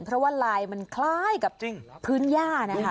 เพราะว่าลายมันคล้ายกับพื้นย่านะคะ